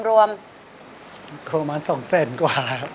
ประมาณสองแสนกว่าครับ